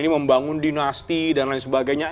membangun dinasti dan lain sebagainya